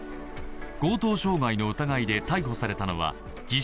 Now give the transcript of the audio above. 強盗傷害の疑いで逮捕されたのは自称